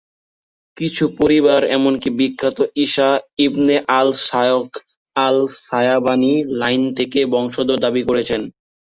কিছু পরিবার এমনকি বিখ্যাত ঈসা ইবনে আল শায়খ আল-শায়বানী লাইন থেকে বংশধর দাবি করছেন।